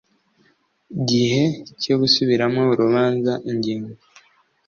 gihe cyo gusubirishamo urubanza ingingo